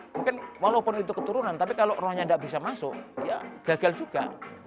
mungkin walaupun itu keturunan tapi kalau rohnya tidak bisa masuk ya gagal juga